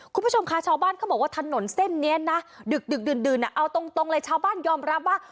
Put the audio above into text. คุณผู้ชมค่ะชาวบ้านเขาบอกว่าถนนเส้นนี้นะดึกดื่นเอาตรงเลยชาวบ้านยอมรับว่า